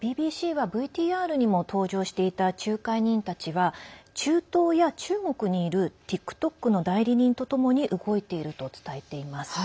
ＢＢＣはＶＴＲにも登場していた仲介人たちは中東や中国にいるＴｉｋＴｏｋの代理人とともに動いていると伝えています。